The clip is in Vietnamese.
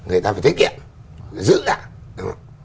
người ta phải tiết kiệm giữ lại